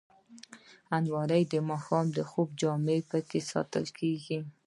الماري د ماښام د خوب جامې پکې ساتل کېږي